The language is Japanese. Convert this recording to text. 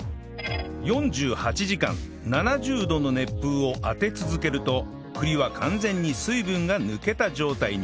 ４８時間７０度の熱風を当て続けると栗は完全に水分が抜けた状態に